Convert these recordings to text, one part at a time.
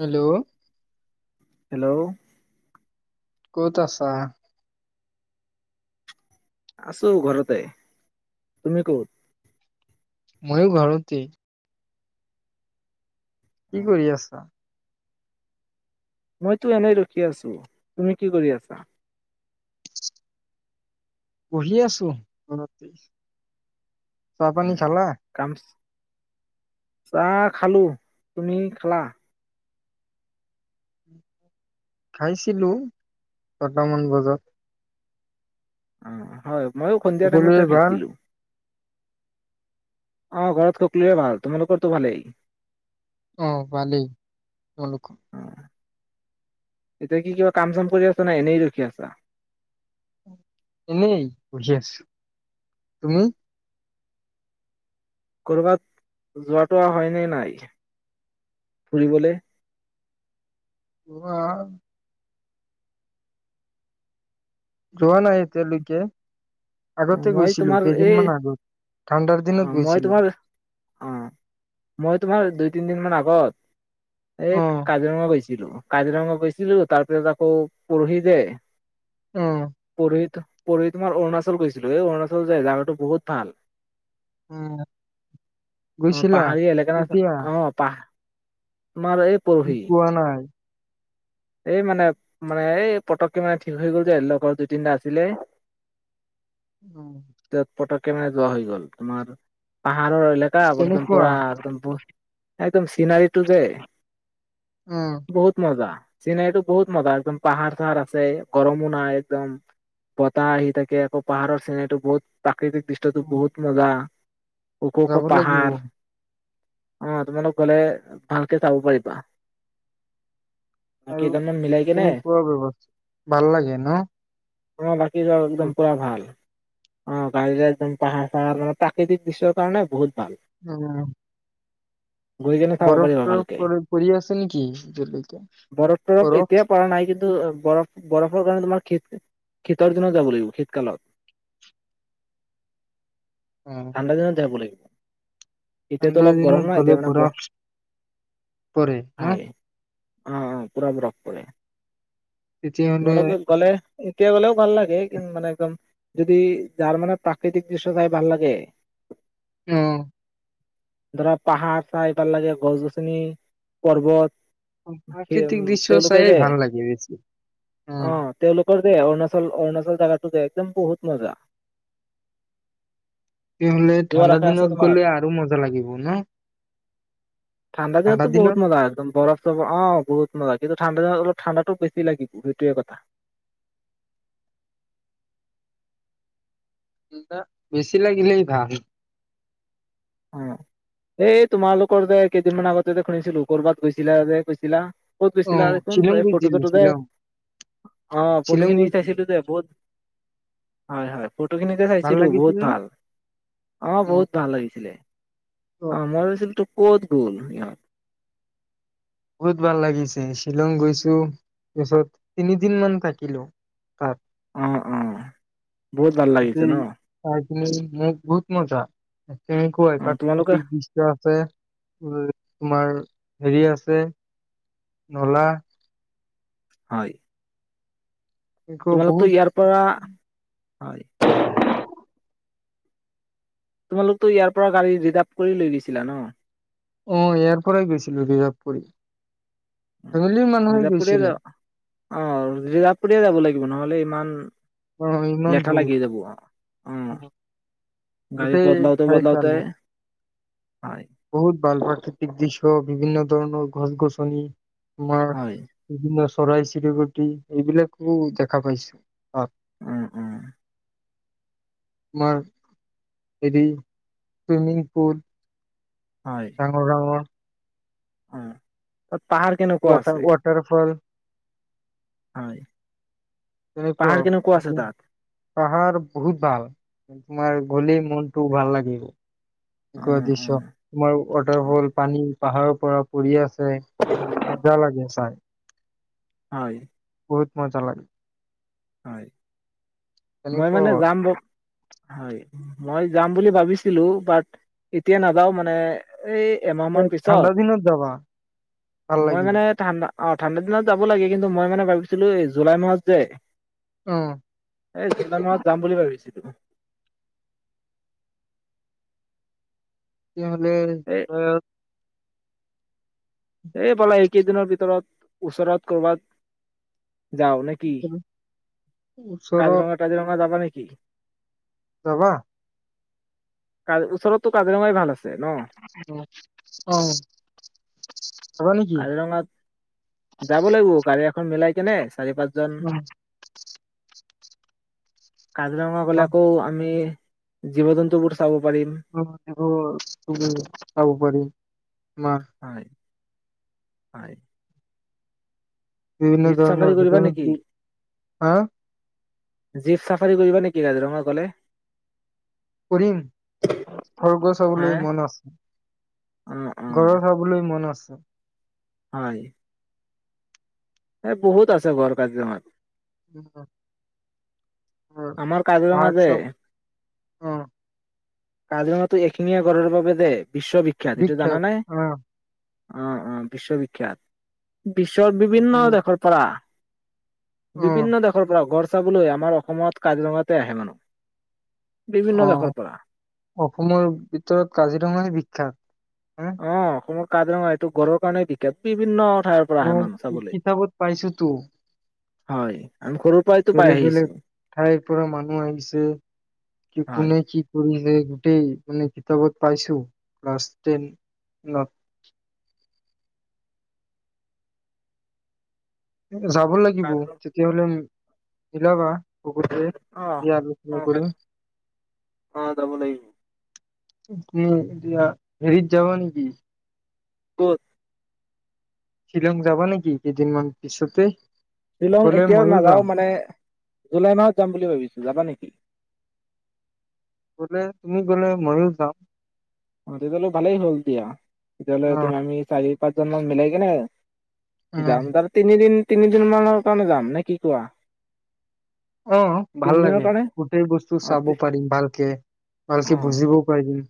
Hello. Hello. ক'ত আছা? আছো ঘৰতে, তুমি ক'ত? ময়ো ঘৰতেই। কি কৰি আছা? মইতো এনেই ৰখি আছো, তুমি কি কৰি আছা? পঢ়ি আছো, ঘৰতেই। চাহ পানী খালা? কাম চাহ খালো। তুমি খালা? খাইছিলোঁ, ছটামান বজাত। উম হয়। মইও সন্ধিয়া টাইমতে সকলোৰে ভাল? খাইছিলোঁ। অ' ঘৰত সকলোৰে ভাল, তোমালোকৰতো ভালেই। অ', ভালেই, তোমালোকৰ? অ এতিয়া কি কিবা কাম চাম কৰি আছা, নে এনেই ৰখি আছা? এনেই, পঢ়ি আছো, তুমি? কৰ'বাত, যোৱা টোৱা হয়নে নাই, ফুৰিবলৈ? [unintelligible] যোৱা নাই এতিয়া লৈকে। অ' মই তোমাৰ এই, ঠাণ্ডাৰ অ দিনত মই গৈছিলো। তোমাৰ, অ' মই তোমাৰ [unintelligible] তিনিদিন মান আগত। এই অ' কাজিৰঙা গৈছ। [unintelligible] কাজিৰঙা গৈছিলো তাৰ পিছত আকৌ পৰহি যে, অ' পঢ়ি থাক। পৰহি তোমাৰ অৰুণাচল গৈছ। [unintelligible] অৰুণাচল যে জাগাটো বহুত ভাল। অ' অ গৈছিলা? পাহাৰী এলেকা না, কেতিয়া? অ' পা তোমাৰ এই পঢ়ি মোক কোৱা নাই। এই মানে, মানে, এই পতককে মানে ঠিক হৈ গ'ল যে লগৰ দুই তিনিটা আছিলেই। উম। [unintelligible] যোৱা হৈ গ'ল তোমাৰ [unintelligible] আৰু এলেকা একদম কেনেকুৱা? পুৰা, একদম, একদম চিনাৰীটো যে, উম বহুত মজা। চিনাৰীটো বহুত মজা। একদম পাহাৰ চাহাৰ আছে, গৰমো নাই, একদম বতাহ আহি থাকে আকৌ। পাহাৰৰ চিনাৰীটো বহুত প্ৰাকৃতিক দৃশ্যতো উম, বহুত মজা। ওখ ওখ যাব লাগিব। পাহাৰ। অ', তোমালোক গলে ভালকে চাব পাৰিবা। আৰু, কেইজনমান মিলাই কেনে কেনেকুৱা ব্যৱস্থা, ভাল লাগে ন? অ' ভাল [unintelligible] একদম পুৰা ভাল। অ, গাড়ীৰে একদম পাহাৰ চাহাৰ মানে, প্ৰাকৃতিক দৃশ্যৰ কাৰণে বহুত ভাল [inaudible] গৈ কেনে চাব বৰফ পাৰিবা তৰফ ভালকে। পৰি পৰি আছে নেকি এতিয়ালৈকে বৰফ তৰফ এতিয়া পৰা নাই কিন্তু বৰফ-বৰফৰ কাৰণে তোমাৰ শীত-শীতৰ দিনত যাব লাগিব শীতকালত। ঠাণ্ডা দিনত যাব লাগিব। এতিয়াতো ঠাণ্ডা অলপ গৰম ন দিনত এতিয়া গ'লে মানে ব বৰফ পৰে ন? হয় অ অ, পোৰা বৰফ পৰে। তেতিয়াহ'লে তোমালোকে গ'লে এতিয়া গ'লেও ভাল লাগে কি মানে একদম যদি যাৰ মানে প্ৰাকৃতিক দৃশ্য চাই ভাল লাগে। অ। ধৰা পাহাৰ চাই ভাল লাগে, গছ গছনি, পৰ্বত। সে প্ৰাকৃতিক দৃশ্য তেওঁলোকে চায়েই যে ভাল লাগে বেছি, অ। দে অৰুণাচল-অৰুণাচল জেগাতো দে একদম বহুত মজা। তেতিয়াহ'লে যোৱাৰ ঠাণ্ডা আশা আছে দিনত তোমাৰ? গ'লে আৰু মজা লাগিব ন ঠাণ্ডা দিনততো বহুত মজা একদম বৰফ চৰফ অ অ বহুত মজা কিন্তু ঠাণ্ডা অলপ ঠাণ্ডাটো বেছি লাগিব সেইটোৱেই কথা। বেছি লাগিলেই ভাল। অ' এই তোমালোকৰ যে কেইদিনমান আগতে যে শুনিছিলো কৰ'বাত গৈছিলা যে কৈছিলা। ক'ত অ গৈছিলা দেখোন শ্বিলং এই ফটো গৈছিলো চটো যে, শ্বিলং অ শ্বিলং ফটো খিনি গৈছিলো চাইছিলো যে বহুত হয় হয়। ফটো খিনিযে ভাল চাইছিলো বহুত লাগিছিল নে ভাল, অ বহুত ভাল লাগিছিলে। অ মই ভাবিছিলোঁ তোক ক'ত গ'ল ইয়াৰ? বহুত ভাল লাগিছে শ্বিলং গৈছো, তাৰপিছত তিনিদিন মান থাকিলো। তাত অ অ, বহুত ভাল লাগিছে ন? তুমি, মোক বহুত মজা। অ তেনেকুৱাই তোমালোকে প্ৰাকৃতিক দৃশ্য আছে, উ তোমাৰ, হেৰি আছে ছে, নলা হয়। আকৌ তোমালকতো বহুত ইয়াৰ পৰা, হয়। তোমালোকতো ইয়াৰ পৰা গাড়ী ৰিজাৰ্ভ কৰি লৈ গৈছিলা ন? অ', ইয়াৰ পৰাই গৈছিলো ৰিজাৰ্ভ কৰি। ফেমিলিৰ মানুহে ৰিজাৰ্ভ কৰিয়ে গৈছিলে যাব, অ ৰিজাৰ্ভ কৰিয়ে যাব লাগিব ন? নহ'লে ইমান অ ইমান লেঠা দূৰ লাগি যাব। অ', গাড়ী গোটেই বদলাওতে ঠাই চালো বদলাওতে হয়। বহুত ভাল ভাল প্ৰাকৃতিক দৃশ্য, বিভিন্ন ধৰণৰ গছ গছনি মাৰ হয় [unintelligible] চৰাই চিৰিকটি, এইবিলাকো দেখা পাইছো উম উম। তোমাৰ হেৰি ছুইমিং পুল ডাঙৰ ডাঙৰ অঁ, হত ৱাটাৰ-ৱাটাৰফল। হয়। তেনেকুৱা পাহাৰ কেনেকুৱা আছে [unintelligible] তাত? পাহাৰ বহুত ভাল। তোমাৰ, গ'লেই মনটো ভাল লাগিব। উম [unintelligible] উম দৃশ্য, তোমাৰ ৱাটাৰ ফল, পানী। পাহাৰৰ পৰা পৰি আছ [unintelligible] লাগে চাই। হয়। বহুত ম'জা লাগে। হয়। মই মানে তেনেকুৱা যাম ব হয়, মই যাম বুলি ভাবিছিলো। বাট এতিয়া নাযাওঁ মানে। এই, এমাহ তে' মান পিছত ঠাণ্ডা দিনত যাবা, ভাল মই লাগিব। মানে ঠাণ্ডা অ', ঠাণ্ডা দিনত যাব লাগে, কিন্তু মই মানে ভাবিছিলো এই জুলাই মাহত যে অ এই [unintelligible] যাম বুলি ভাবিছি। [unintelligible] এই [unintelligible] এইফালে এইকেইদিনৰ ভিতৰত, ওচৰত কৰ'বাত যাও নে কি, ওচৰত কাজিৰঙা-তাজিৰঙা যাবা নি? [unintelligible] যাবা? কাজ ওচৰতো কাজিৰঙাই ভাল আছে। ন [inaudible] অ'। যাবা নেকি কাজিৰঙাত যাব লাগিব, গাড়ী এখন মিলাই। কেনে? চাৰি পাঁচজন। অ, কাজিৰঙা গলে, যাম। আকৌ আমি জীৱ জন্তু বোৰ [unintelligible] খাব পাৰি। আমাৰ হয়। হয়। বিভিন্ন জীপ চাফাৰী ধৰণৰ কৰিবা নেকি [unintelligible] হাঁ জীপ চাফাৰী কৰিবা নেকি কাজিৰঙা ক'লে? কৰিম। খৰ্গ হা চাবলৈ মন আছে, অ অ গড়ৰ চাবলৈ মন আছে। অ' হয়। এ বহুত আছে গড় কাজিৰঙাত। উ, অ' আমাৰ কাজিৰঙা যে। অ কাজিৰঙাটোএশিঙীয়া গঁড়ৰ বাবে যে বিশ্ববিখ্যাত, এইটো জানা বিখ্যাত নে? আহ অ', অ', বিশ্ববিখ্যাত। বিশ্বৰ বিভিন্ন অ দেশৰ পৰা বিভিন্ন দেশৰ পৰা গৰ চাবলৈ আমাৰ অসমত কাজিৰঙাতে আহে মানুহ। বিভিন্ন অ', দেশৰ পৰা অসমৰ ভিতৰত কাজিৰঙাহে বিখ্যাত। হ অ' অসমত কাজিৰঙা এইটো গঁড়ৰ কাৰণে বিখ্যাত, বিভিন্ন ঠাইৰ পৰা আহে অ', মানুহ চাবলৈ কিতাপত পাইছোঁ তো, হয় আমি সৰুৰ পৰাইতো পাই বেলেগ বেলেগ আহিছো ঠাইৰ পৰা মানুহ আহিছে, কি হয় কোনে কি কৰিছে গোটেই মানে কিতাপত পাইছোঁ, ক্লাছ টেনত। যাব লাগিব কাজিৰঙা তেতিয়াাহ'লে ইলাবা আহ, অ', কলৈ অ', যাব লাগিব। তুমি এতিয়া হেৰিত যাবা নেকি? কত? শ্বিলং যাবা নেকি কেইদিনমান পিছতে? শ্বিলং গ'লে এতিয়াও ময়ো নাযাওঁ, যাম মানে জুলাই মাহত যাম বুলি ভাবিছোঁ যাবা নেকি? গ'লে, তুমি গ'লে মইও যাম। অ', তেতিয়াহলে ভালেই হ'ল দিয়া, তেতিয়াহ'লে অ তুমি আমি চাৰি পাঁচ জন মান মিলাই কেনে যাম যাম তিনিদিন তিনিদিন মানৰ কাৰণে যাম নে কি কোৱা? অ', ভাল তিনিদিনৰ লাগে, কাৰণে গোটেই বস্তু অ চাব তি পাৰিম ভালকে, অ ভালকে বুজিব পাৰিম।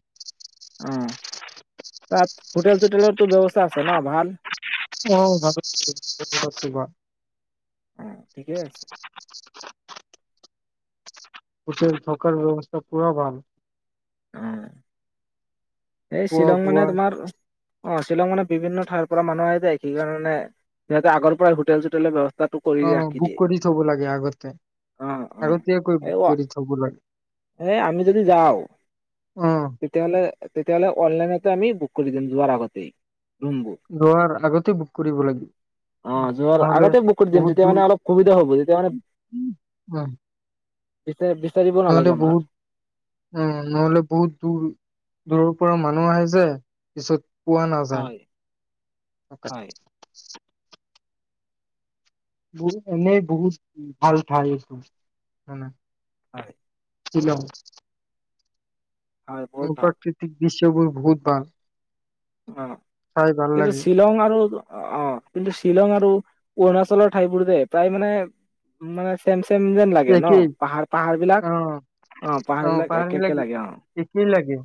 অ, তাত হোটেল চোটেলৰতো ব্যৱস্থা আছে ন, ভাল। অহ, ভাল [unintelligible] অহ, ঠিকেই আছে। হোটেল থকাৰ ব্যৱস্থা পুৰা ভাল। উম। এই খোৱা শ্বিলং মানে বোৱা তোমাৰ অ, ' শ্বিলং মানে বিভিন্ন ঠাইৰ পৰা মানুহ আহি যায়, সেইকাৰণে সিহতে আগৰ পৰা হোটেল চোটেলৰ ব্যৱস্থা টো কৰি অ ৰাখি বুক দিয়ে, কৰি থব লাগে আগতে অ', অ', আগতীয়াকৈ 'এই বুক কৰি থব লাগে এই আমি যদি যাওঁ, অ তেতিয়াহ'লে তেতিয়াহ'লে অনলাইনতেই বুক কৰি দিম যোৱাৰ আগতেই ৰুমবোৰ লোৱাৰ আগতে বুক কৰিব অ লাগিব যোৱাৰ নহলে আগতে বুক কৰি দিম বহুত তেতিয়া দূৰ মানে অলপ সুবিধা হ'ব তেতিয়া মানে উম। বিচা বিচাৰিব নালাগে নহ'লে আমাৰ বহুত অ, ' নহ'লে বহুত দূৰ দূৰৰ পৰা মানুহ আহিছে পিছত পোৱা নাযায়। হয় হয় বহু এনেই বহুত ভাল ঠাই এইটো মানে হয়। শ্বিলং হয় ভূ বহুত ভাল প্ৰাকৃতিক বিশ বহুত ভাল অ, চাই ভাল কিন্তু লাগে শ্বিলং আৰু অ, 'অ, 'কিন্তু শ্বিলং আৰু অৰুণাচলৰ ঠাইবোৰ যে প্ৰায় মানে মানে চেম চেম যেন লাগে ন' একেই পাহাৰ পাহাৰ বিলাক অ', অ, 'পাহাৰ বিলাক একে একে লাগে অ'। একেই লাগে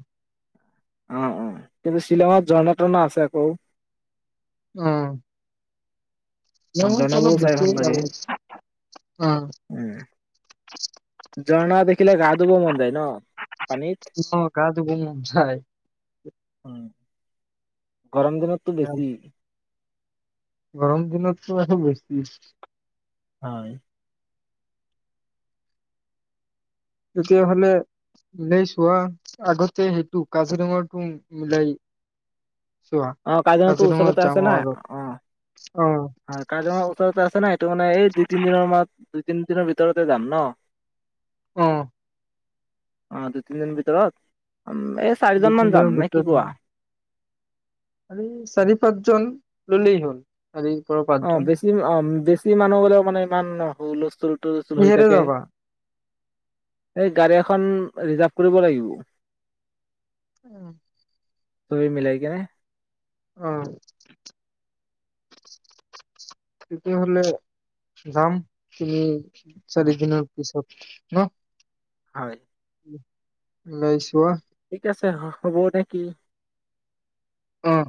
অ, অ, কিন্তু শ্বিলং [inaudible] আছে আকৌ। উম। ঝৰ্ণাবোৰো চাই ভাল লাগে [inaudible] অ'। ঝৰ্ণ [inaudible] দেখিলে গা ধুব মন যায় ন? পানীত অ, গা ধুব মন যায় গৰম দিনততো গা- বেছি। গৰম দিনততো আৰু বেছি। হায় তেতিয়াহ'লে মিলাই চোৱা আগতে সেইটো কাজিৰঙাটো মিলাই। চোৱা অ কাজিৰঙাটো কাজিৰঙাত ওচৰতে যাম আছে না আৰু অ অ'। হয় কাজিৰঙা ওচৰতে আছে না এইটো মানে এই দুই তিন দিনৰ মৰত দুই তিন দিনৰ ভিতৰতে যাম ন অহ অ দুইতিন দিন ভিতৰত এম দুই চাৰিজন মান তিনিজনৰ যাম নে কি কোৱা আৰে চাৰি পাঁচজন ললেই হ'ল চাৰিৰ পৰা অ পাঁচজন বেছি অ বেছি মানুহ গলেও মানে ইমান হুলুস্থুল হুলুস্থুল হৈ কিহেৰে থাকে। যাবা সেই গাড়ী এখন ৰিজাৰ্ভ কৰিব লাগিব [inaudible] তুমি মিলাই কেনে আহ তেতিয়াহলে যাম তিনি অ চাৰি দিনৰ পিছত ন হয়। মেইছোৱা ঠিক আছে হ হ'ব নে কি অহ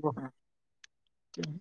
ব অ [inaudible]